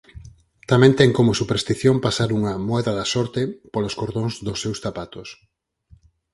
Tamén ten como superstición pasar unha ""Moeda da sorte"" polos cordóns dos seus zapatos.